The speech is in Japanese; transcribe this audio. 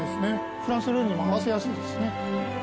フランス料理にも合わせやすいですね。